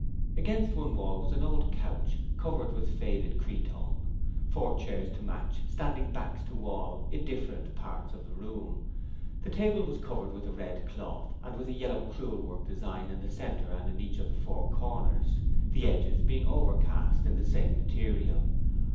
Against one wall was an old couch covered with faded cretonne, four chairs to match standing backs to wall in different parts of the room. The table was covered with a red cloth with a yellow crewel work design in the centre and in each of the four corners, the edges being overcast in the same material.